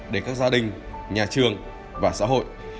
để các gia đình nhà trường và xã hội